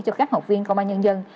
cho các học viên công an nhân dân